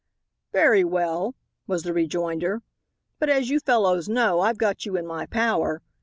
"Very well," was the rejoinder, "but as you fellows know, I've got you in my power.